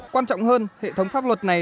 quan trọng hơn hệ thống pháp luật này